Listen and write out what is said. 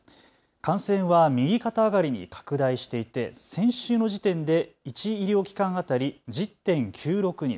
感染は右肩上がりに拡大していて先週の時点で１医療機関当たり１０．９６人。